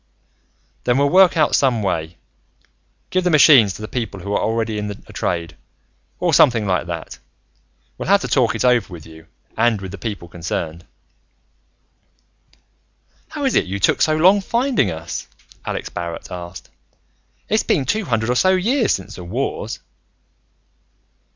"Then we'll work out some way. Give the machines to the people who are already in a trade, or something like that. We'll have to talk it over with you and with the people concerned." "How is it you took so long finding us?" Alex Barrett asked. "It's been two hundred or so years since the Wars."